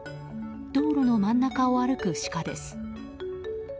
道路の真ん中を歩くシカです。